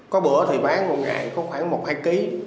có bữa thì bán một ngày có khoảng một hai kg